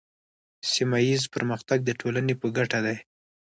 سیمه ایز پرمختګ د ټولنې په ګټه دی.